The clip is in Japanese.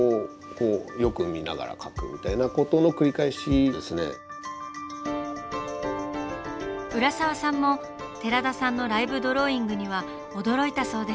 浦沢さんも寺田さんのライブドローイングには驚いたそうです。